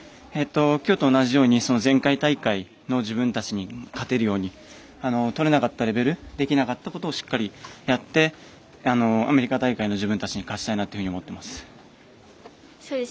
きょうと同じように前回大会の自分たちに勝てるようにとらなかったレベルできなかったことをしっかりやってアメリカ大会の自分たちに勝ちたいなというふうに思ってます。